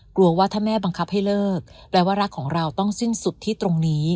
กลัวว่าถ้าแม่บังคับให้เลิกแปลว่ารักของเราต้องสิ้นสุดที่ตรงนี้